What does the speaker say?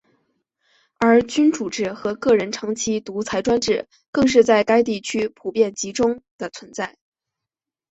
而君主制和个人长期独裁专制更是在该地区普遍而集中地存在。